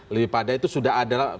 lebih pada itu sudah ada